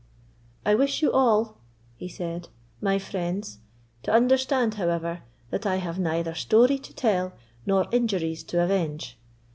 "I wish you all," he said, "my friends, to understand, however, that I have neither story to tell nor injuries to avenge.